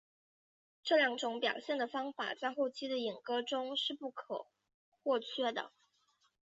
这两种表现的方法在后期的演歌中是不可或缺的。